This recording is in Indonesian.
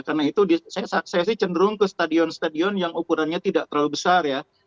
karena itu saya sih cenderung ke stadion stadion yang ukurannya tidak terlalu besar ya